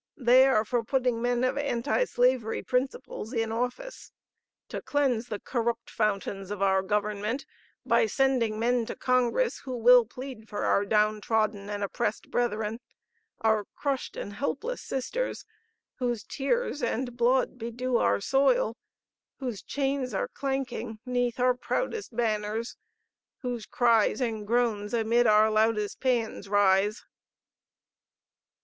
They are for putting men of Anti Slavery principles in office, ... to cleanse the corrupt fountains of our government by sending men to Congress who will plead for our down trodden and oppressed brethren, our crushed and helpless sisters, whose tears and blood bedew our soil, whose chains are clanking 'neath our proudest banners, whose cries and groans amid our loudest paeans rise."